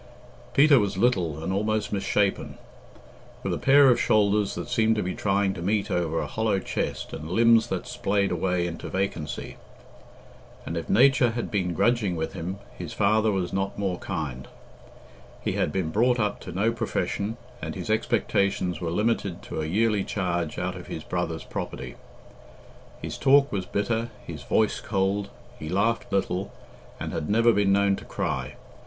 Peter was little and almost misshapen, with a pair of shoulders that seemed to be trying to meet over a hollow chest and limbs that splayed away into vacancy. And if Nature had been grudging with him, his father was not more kind. He had been brought up to no profession, and his expectations were limited to a yearly charge out of his brother's property. His talk was bitter, his voice cold, he laughed little, and had never been known to cry.